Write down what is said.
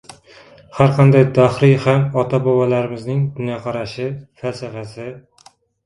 Har qanday dahriy ham ota-bobolarimizning dunyoqarashi, falsafasi